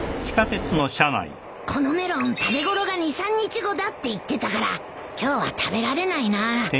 このメロン食べ頃が２３日後だって言ってたから今日は食べられないな